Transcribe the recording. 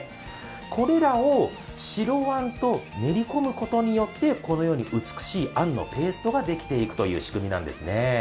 これらを白あんと練り込むことによってこのように美しいあんのペーストができているという仕組みなんですね。